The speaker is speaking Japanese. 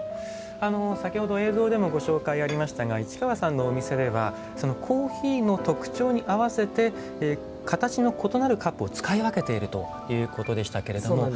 先ほど映像でもご紹介ありましたが市川さんのお店ではコーヒーの特徴に合わせて形の異なるカップを使い分けているということでしたけれども。